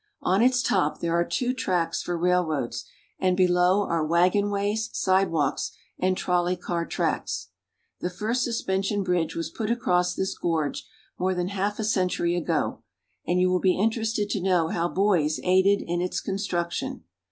On its top there are two tracks for railroads, and below are wagonways, sidewalks, and trolley car tracks. The first suspension bridge was put across this gorge more than half a century ago, and you will be interested to know how boys aided in its construction.